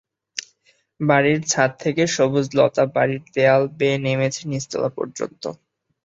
বাড়ির ছাদ থেকে সবুজ লতা বাড়ির দেয়াল বেয়ে নেমেছে নিচতলা পর্যন্ত।